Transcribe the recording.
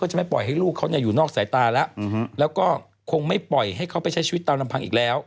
จะไม่ปล่อยให้ลูกเขาอยู่นอกสายตาแล้วแล้วก็คงไม่ปล่อยให้เขาไปใช้ชีวิตตามลำพังอีกแล้ว